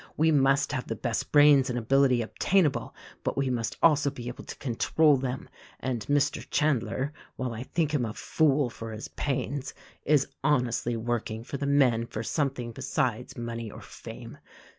"We must have the best brains and ability obtainable; but we must also be able to control them, and Mr. Chandler — while I think him a fool for his pains — is honestly work ing for the men for something besides money or fame.